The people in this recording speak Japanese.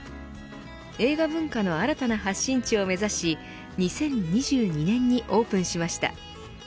映画文化の新たな発信地を目指し２０２２年にオープンしました。